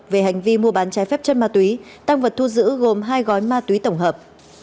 về hành vi mua bán trái phép chất ma túy tăng vật thu giữ gồm hai gói ma túy tổng hợp